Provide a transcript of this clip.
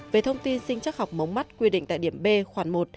về thông tin sinh chắc học mống mắt quy định tại điểm b khoản một